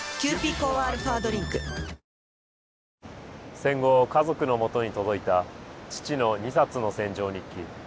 戦後家族のもとに届いた父の２冊の戦場日記。